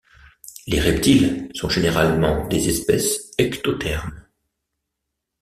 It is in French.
Les reptiles sont généralement des espèces ectothermes.